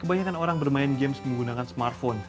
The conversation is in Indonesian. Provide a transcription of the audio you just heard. kebanyakan orang bermain games menggunakan smartphone